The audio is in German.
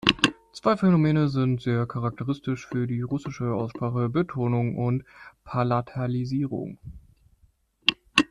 Zwei Phänomene sind sehr charakteristisch für die russische Aussprache: Betonung und Palatalisierung.